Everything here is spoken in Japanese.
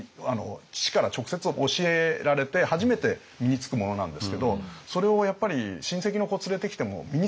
父から直接教えられて初めて身につくものなんですけどそれをやっぱり親戚の子連れてきても身につかないんですよ。